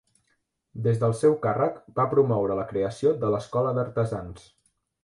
Des del seu càrrec va promoure la creació de l'Escola d'Artesans.